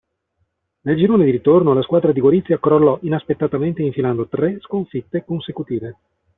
Nel girone di ritorno la squadra di Gorizia crollò inaspettatamente infilando tre sconfitte consecutive.